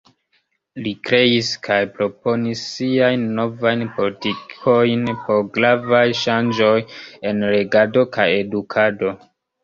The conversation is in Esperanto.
Li kreis kaj proponis siajn Novajn Politikojn por gravaj ŝanĝoj en regado kaj edukado.